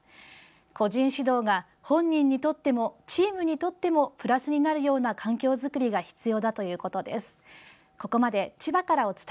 個人指導が本人にとってもチームにとってもプラスになるような環境作りが必要だということです。